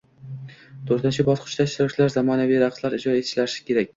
To’rtinchi bosqichda ishtirokchilar zamonaviy raqslar ijro etishlari kerak.